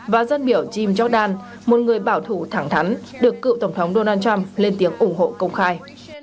và dân biểu jim jordan một người bảo thủ thẳng thắn được cựu tổng thống donald trump lên tiếng ủng hộ công khai